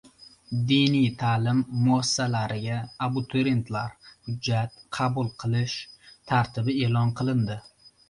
Diniy ta’lim muassasalariga abiturientlardan hujjat qabul qilish tartibi e’lon qilindi